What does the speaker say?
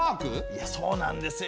いやそうなんですよ。